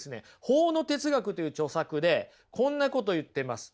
「法の哲学」という著作でこんなこと言ってます。